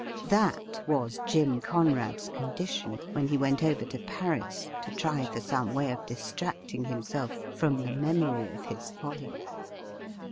That was Jim Conrad's condition when he went over to Paris to try for some way of distracting himself from the memory of his folly.